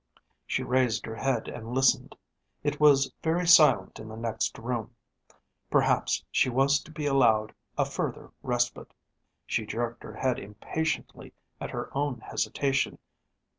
She raised her head and listened. It was very silent in the next room. Perhaps she was to be allowed a further respite. She jerked her head impatiently at her own hesitation.